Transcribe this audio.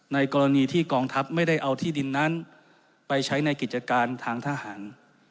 ในกรณีที่กองทัพไม่ได้เอาที่ดินนั้นไปใช้ในกิจการทางทหาร